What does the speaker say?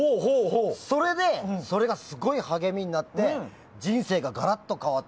それでそれがすごい励みになって人生がガラッと変わった。